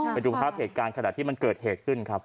ไปดูภาพเหตุการณ์ขณะที่มันเกิดเหตุขึ้นครับ